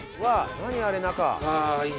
何あれ中。